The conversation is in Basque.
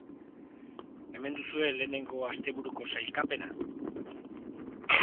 Hemen duzue lehenengo asteburuko sailkapena.